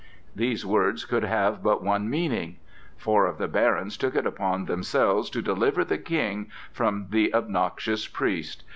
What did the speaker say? These words could have but one meaning. Four of the barons took it upon themselves to deliver the King from the obnoxious priest.